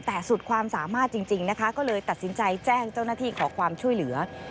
แต่สุดความสามารถจริงนะคะก็เลยตัดสินใจแจ้งเจ้าหน้าที่ขอความช่วยเหลือ